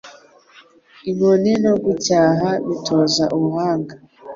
Inkoni no gucyaha bitoza ubuhanga